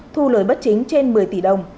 thu lời bất chính trên một mươi tỷ đồng